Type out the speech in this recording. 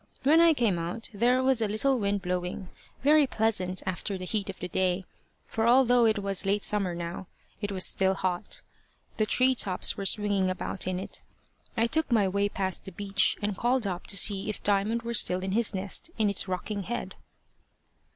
When I came out, there was a little wind blowing, very pleasant after the heat of the day, for although it was late summer now, it was still hot. The tree tops were swinging about in it. I took my way past the beech, and called up to see if Diamond were still in his nest in its rocking head.